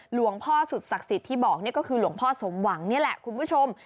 หลวงพ่อสุดศักดิ์สิทธิ์ที่บอกนี่ก็คือหลวงพ่อสมหวังนี่แหละคุณผู้ชม